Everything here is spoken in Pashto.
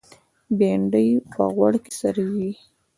بېنډۍ په غوړ کې سرېږي